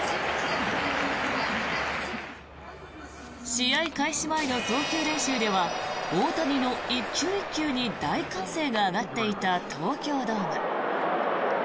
試合開始前の投球練習では大谷の１球１球に大歓声が上がっていた東京ドーム。